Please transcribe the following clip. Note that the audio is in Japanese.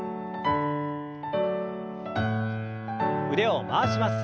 腕を回します。